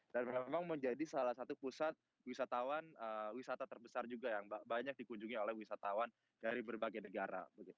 dan memang menjadi salah satu pusat wisatawan wisata terbesar juga yang banyak dikunjungi oleh wisatawan dari berbagai negara